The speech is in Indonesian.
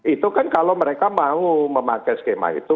itu kan kalau mereka mau memakai skema itu